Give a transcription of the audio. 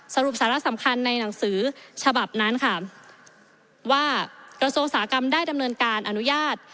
สาระสำคัญในหนังสือฉบับนั้นค่ะว่ากระทรวงอุตสาหกรรมได้ดำเนินการอนุญาต